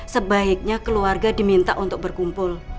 sebaiknya keluarga diminta untuk berkumpul